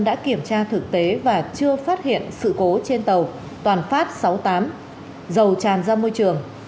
đã kiểm tra thực tế và chưa phát hiện sự cố trên tàu toàn phát sáu mươi tám dầu tràn ra môi trường